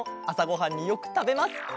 あさごはんによくたべます。